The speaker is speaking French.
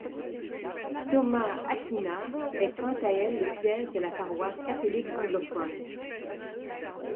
Thomas Aquina est quant à elle le siège de la paroisse catholique anglophone.